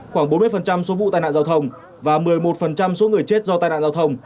khoảng bốn mươi số vụ tai nạn giao thông và một mươi một số người chết do tai nạn giao thông